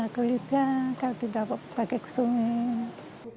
kulitnya kalau tidak pakai kesumi